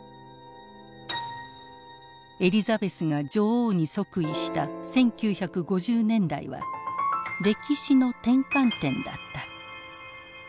エリザベスが女王に即位した１９５０年代は歴史の転換点だった。